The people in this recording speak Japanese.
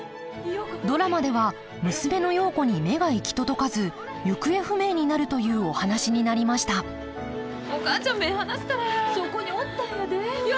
ドラマでは娘の陽子に目が行き届かず行方不明になるというお話になりましたお母ちゃん目ぇ離すからや。